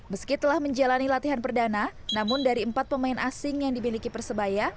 meski telah menjalani latihan perdana namun dari empat pemain asing yang dimiliki persebaya